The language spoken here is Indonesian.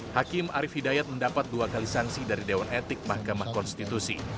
hakim arief hidayat mendapat dua kali sanksi dari dewan etik mahkamah konstitusi